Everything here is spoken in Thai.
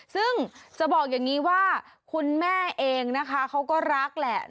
ซึ่งจะบอกอย่างนี้ว่าคุณแม่เองนะคะเขาก็รักแหละ